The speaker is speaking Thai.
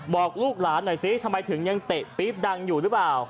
บอกลูกหลานหน่อยซิทำไมถึงยังเตะปี๊บดังอยู่หรือเปล่า